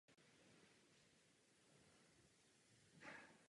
Tyto spory způsobují většinu dalších infekcí.